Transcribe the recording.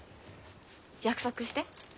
約束して。